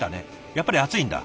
やっぱり熱いんだ。